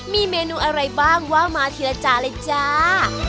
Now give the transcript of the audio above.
มีเมนูอะไรบ้างว่ามาทีละจานเลยจ้า